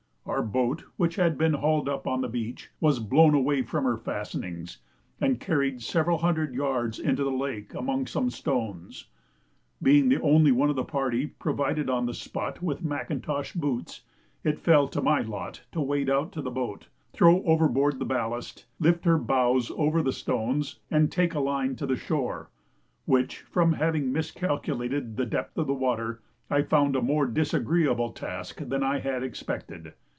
Our boat, which had been hauled up on the beach, was blown away from her fastenings, and carried several hundred yards into the lake among some stones. Being the only one of the party provided on the spot with Macintosh boots, it fell to my lot to wade out to the boat, throw overboard the ballast, lift her bows over the stones, and take a line to the shore; which, from having miscalculated the depth of the water, I found a more disagreeable task than I had expected.